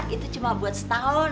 itu cuma buat setahun